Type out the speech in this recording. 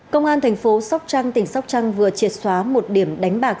công an thành phố sóc trăng tỉnh sóc trăng vừa triệt xóa một điểm đánh bạc